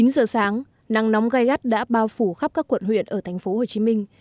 chín giờ sáng nắng nóng gai gắt đã bao phủ khắp các quận huyện ở thành phố hồ chí minh